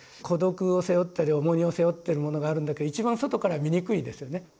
孤独を背負ったり重荷を背負ってるものがあるんだけど一番外から見にくいですよね。